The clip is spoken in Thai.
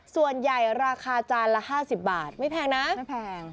ส่วนใหญ่ราคาจานละ๕๐บาทไม่แพงนะไม่แพง